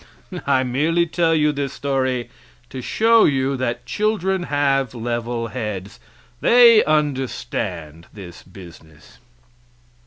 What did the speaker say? I merely tell you this story to show you that children have level heads; they understand this business.